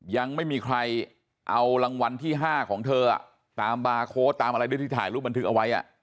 ยังไม่มีใครเอารางวัลที่๕ของเธอตามบาร์โค้ดตามอะไรด้วยที่ถ่ายรูปบันทึกเอาไว้